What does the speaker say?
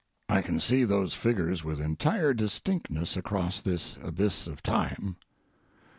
I can see those figures with entire distinctness across this abyss of time.